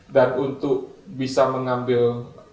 dan untuk bisa mengambil